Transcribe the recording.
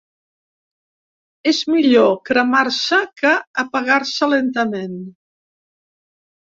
És millor cremar-se que apagar-se lentament.